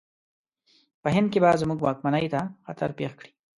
په هند کې به زموږ واکمنۍ ته خطر پېښ کړي.